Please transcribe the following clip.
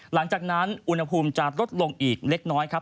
หลังจากนั้นอุณหภูมิจะลดลงอีกเล็กน้อยครับ